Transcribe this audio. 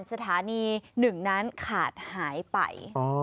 สถานีหนึ่งนั้นขาดหายไป